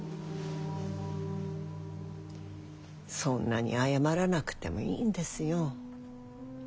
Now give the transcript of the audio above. そんなに謝らなくてもいいんですよ。